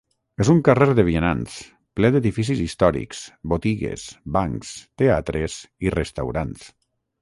És un carrer de vianants, ple d'edificis històrics, botigues, bancs, teatres i restaurants.